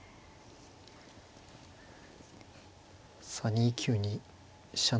さあ２九に飛車